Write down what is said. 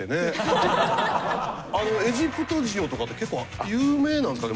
あのエジプト塩とかって結構有名なんですかね？